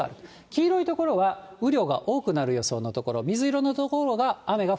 黄色い所は雨量が多くなる予想の所。